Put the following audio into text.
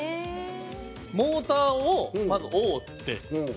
モーターを、まず覆って。